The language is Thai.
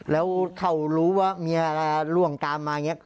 แล้วเขารู้ว่าเมียล่วงตามมาอย่างนี้